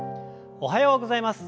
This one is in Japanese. おはようございます！